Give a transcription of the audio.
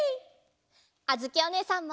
あづきおねえさんも！